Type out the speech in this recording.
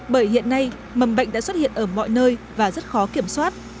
bởi hiện nay mầm bệnh đã xuất hiện ở mọi nơi và rất khó kiểm soát